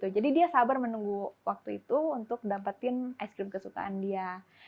jadi dia sabar menunggu waktu itu untuk mendapatkan ice cream kesukaan dia